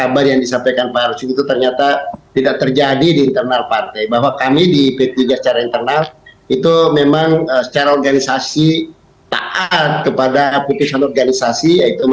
benarkah seperti itu